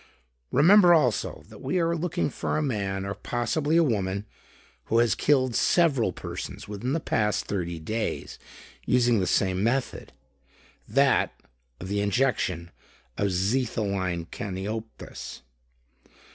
Remember also, that we are looking for a man or possibly a woman who has killed several persons within the past thirty days, using the same method; that of the injection of xetholine caniopus.